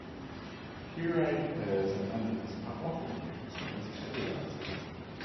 Pureed pears and onions are often used as tenderizers.